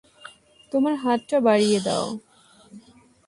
তোমার হাতটা বাড়িয়ে দাও!